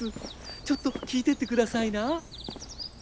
ちょっと聞いてってくださいな。